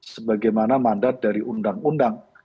sebagaimana mandat dari undang undang